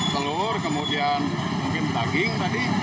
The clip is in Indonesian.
telur kemudian mungkin daging tadi